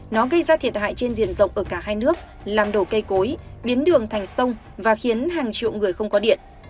nó gây ra thiệt hại trên diện rộng ở cả hai nước làm đổ cây cối biến đường thành sông và khiến hàng triệu người không có điện